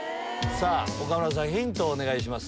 岡村さんヒントをお願いします。